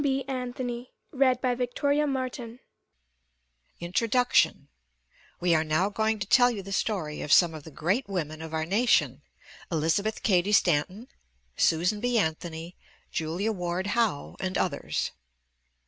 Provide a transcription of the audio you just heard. SOME WOMEN OF HISTORY INTRODUCTION: We are now going to tell you the story of some of the great women of our nation, Elizabeth Cady Stanton, Susan B. Anthony, Julia Ward Howe, and others.